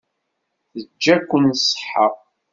Teǧǧa-ken ṣṣeḥḥa.